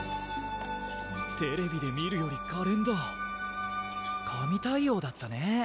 テレビで見るよりかれんだ神対応だったね